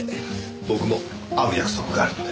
僕も会う約束があるので。